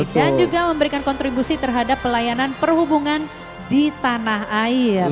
dan juga memberikan kontribusi terhadap pelayanan perhubungan di tanah air